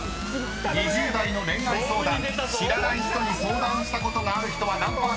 ［２０代の恋愛相談知らない人に相談したことがある人は何％か］